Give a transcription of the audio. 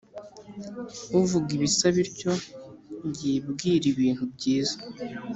Uvuga ibisa bityo yibwire ibintu byiza